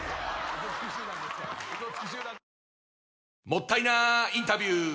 もったいなインタビュー！